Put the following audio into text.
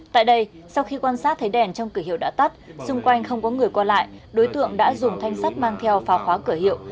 tại đây sau khi quan sát thấy đèn trong cửa hiệu đã tắt xung quanh không có người qua lại đối tượng đã dùng thanh sắt mang theo phá khóa cửa hiệu